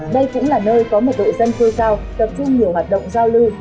đây cũng là nơi có một đội dân cư cao tập trung nhiều hoạt động giao lưu